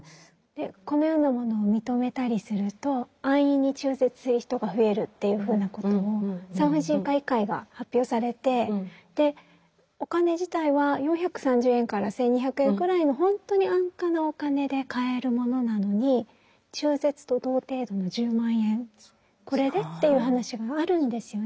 このようなものを認めたりすると安易に中絶する人が増えるっていうふうなことを産婦人科医会が発表されてお金自体は４３０円から１，２００円くらいの本当に安価なお金で買えるものなのに中絶と同程度の１０万円これでっていう話があるんですよね。